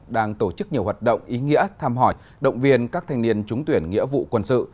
đang tổ chức nhiều hoạt động ý nghĩa tham hỏi động viên các thanh niên trúng tuyển nghĩa vụ quân sự